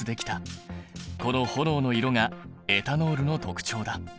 この炎の色がエタノールの特徴だ。